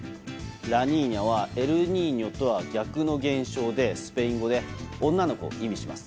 ラニーニャはエルニーニョとは逆の現象でスペイン語で女の子を意味します。